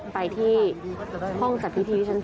ไปที่ห้องจัดพิธีที่ชั้น๓